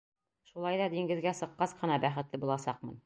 Шулай ҙа диңгеҙгә сыҡҡас ҡына бәхетле буласаҡмын.